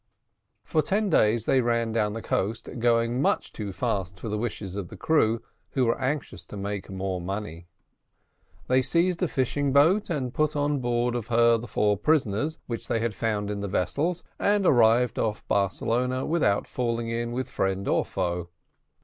For ten days they ran down the coast, going much too fast for the wishes of the crew, who were anxious to make more money. They seized a fishing boat and put on board of her the four prisoners, whom they had found in the vessels, and arrived off Barcelona, without falling in with friend or foe.